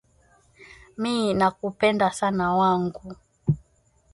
Mi na kupenda sana wangu